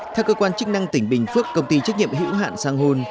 theo cơ quan chức năng tỉnh bình phước công ty trách nhiệm hữu hạn sang hồn